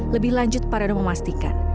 lebih lanjut pak riono memastikan